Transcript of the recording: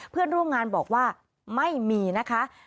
เพื่อนร่วมงานบอกว่าไม่มีนะคะ